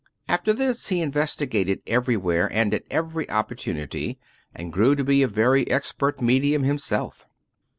After this he investigated everywhere, and at every oppor tunity, and grew to be a very expert medium himself.